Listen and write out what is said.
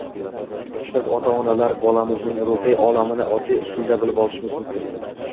biz ota-onalar bolamizning ruhiy olamini oddiy usulda bilib olishimiz mumkin.